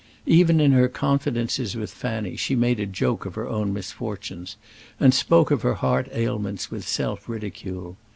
Even in her confidences with Fanny she made a joke of her own misfortunes, and spoke of her heart ailments with self ridicule.